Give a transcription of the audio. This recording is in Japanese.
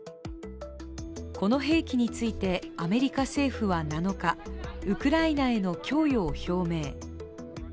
この兵器についてアメリカ政府は７日ウクライナへの供与を表明。